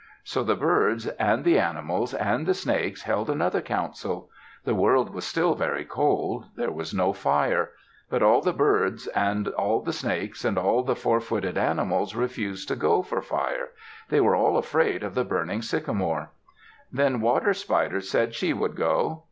So the birds, and the animals, and the snakes held another council. The world was still very cold. There was no fire. But all the birds, and the snakes, and all the four footed animals refused to go for fire. They were all afraid of the burning sycamore. Then Water Spider said she would go.